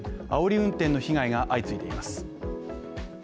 あおり運転の被害が相次いでいます。